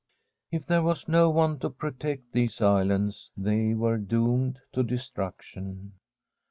If there was no one to protect these islands, they were doomed to destruction.